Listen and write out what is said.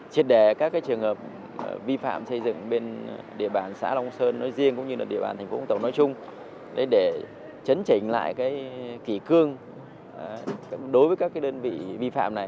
chia đẻ các trường hợp vi phạm xây dựng bên địa bàn xã long sơn nói riêng cũng như địa bàn tp vũng tàu nói chung để chấn trình lại kỷ cương đối với các đơn vị vi phạm này